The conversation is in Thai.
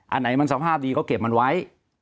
อันไหนมันสภาพดีก็เก็บมันไว้